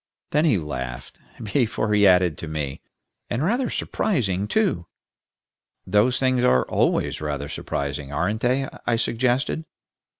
Then he laughed, before he added, to me, "And rather surprising, too." "Those things are always rather surprising, aren't they?" I suggested.